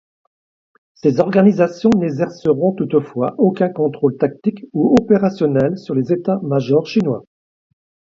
Ces organisations n'exerceront toutefois aucun contrôle tactique ou opérationnel sur les états-majors chinois.